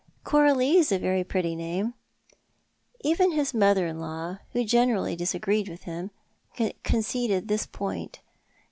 " Coralie's a very pretty name." Even his mother in law, who generally disagreed with him, conceded this point.